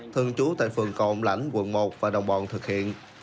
thường trú tại phường cộng lãnh quận một và đồng bòn thực hiện